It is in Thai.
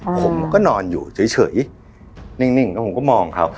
อ่าผมก็นอนอยู่เฉยเฉยนิ่งนิ่งก็ผมก็มองเขา